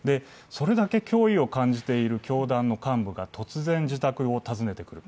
それだけ脅威を感じている教団の幹部が突然自宅を訪ねてくる。